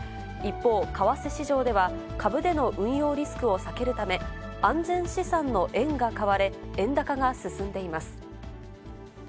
一方、為替市場では、株での運用リスクを避けるため、安全資産の円が買われ、円高が進んでいます。